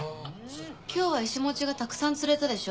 今日はイシモチがたくさん釣れたでしょ？